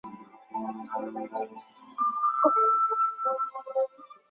珲春站为宽准轨铁路货运换装站。